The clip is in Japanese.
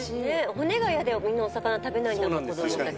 骨が嫌でみんなお魚食べないんだもん子供たち。